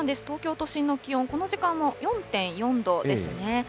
東京都心の気温、この時間も４．４度ですね。